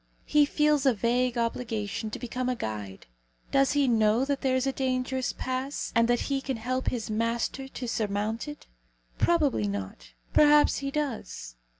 He feels a vague obligation to become a guide. Does he know that there is a dangerous pass, and that he can help his master to surmount it? Probably not. Perhaps he does.